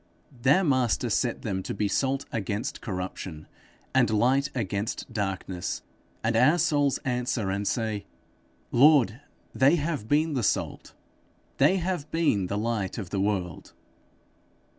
Their Master set them to be salt against corruption, and light against darkness; and our souls answer and say, Lord, they have been the salt, they have been the light of the world!